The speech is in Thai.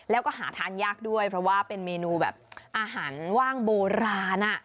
แล้วก็หาทานยากด้วยเพราะว่าเป็นเมนูแบบอาหารว่างโบราณ